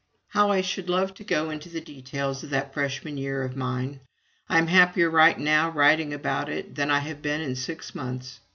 How I should love to go into the details of that Freshman year of mine! I am happier right now writing about it than I have been in six months.